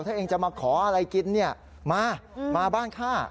ถ้าเองจะมาขออะไรกินเนี่ยมามาบ้านข้า